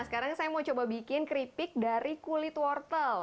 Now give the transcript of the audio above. sekarang saya mau coba bikin keripik dari kulit wortel